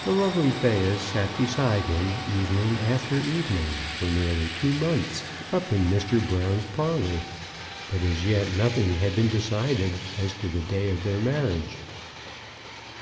The lovely Thais sat beside him evening after evening for nearly two months, up in Mr. Brown's parlour, but as yet nothing had been decided as to the day of their marriage.